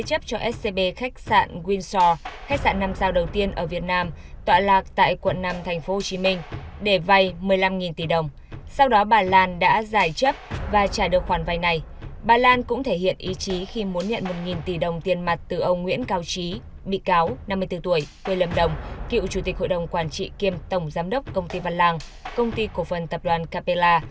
chủ tịch hội đồng quản trị kiêm tổng giám đốc công ty văn làng công ty cổ phần tập đoàn capella